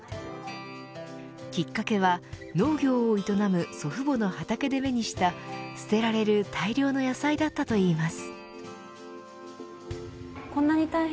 きっかけは農業を営む祖父母の畑で目にした捨てられる大量の野菜だったといいます。